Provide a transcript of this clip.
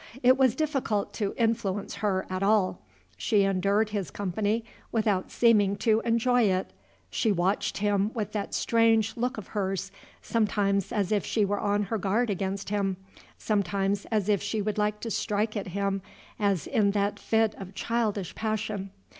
It was difficult to influence her at all. She endured his company without seeming to enjoy it. She watched him with that strange look of hers, sometimes as if she were on her guard against him, sometimes as if she would like to strike at him as in that fit of childish passion.